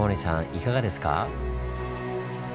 いかがですか？